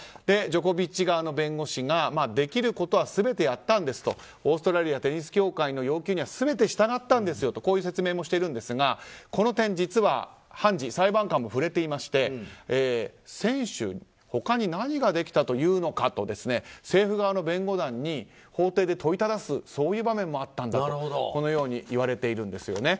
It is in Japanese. ジョコビッチ側の弁護士ができることは全てやったんですとオーストラリア・テニス協会の要求には全て従ったとこういう説明もしているんですがこの点、実は判事、裁判官も触れていまして選手は他に何ができたというのかと政府側の弁護団に法廷で問いただす場面もあったとこのように言われているんです。